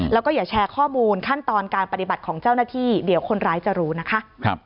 แล้วก็อย่าแชร์ข้อมูลขั้นตอนการปฏิบัติของเจ้าหน้าที่เดี๋ยวคนร้ายจะรู้นะคะ